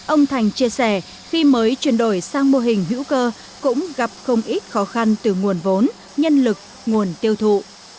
ông thành chia sẻ khi mới chuyển đổi sang mô hình hữu cơ cũng gặp không ít khó khăn từ nguồn vốn nhân lực nguồn tiêu thụ